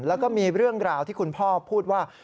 แล้วก็มีเรื่องราวที่คุณพ่อพูดว่า